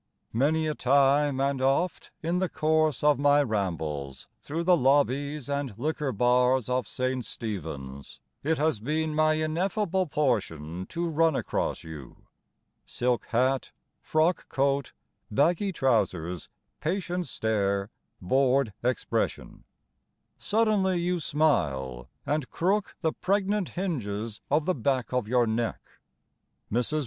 Many a time and oft in the course of my rambles Through the lobbies and liquor bars of St. Stephens It has been my ineffable portion to run across you Silk hat, frock coat, baggy trousers, patient stare, bored expression: Suddenly you smile And crook the pregnant hinges of the back of your neck. Mrs.